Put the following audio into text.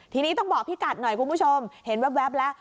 ทีนี้ต้องบอกพี่กัดหน่อยคุณผู้ชมเห็นแว๊บแล้ว